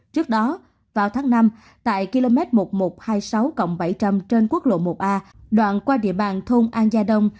trước đó vào tháng năm tại km một nghìn một trăm hai mươi sáu bảy trăm linh trên quốc lộ một a đoạn qua địa bàn thôn an gia đông